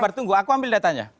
sabar tunggu aku ambil datanya